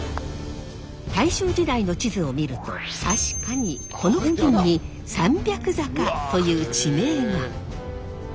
大正時代の地図を見ると確かにこの付近に三百坂という地名が。